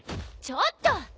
ちょっと！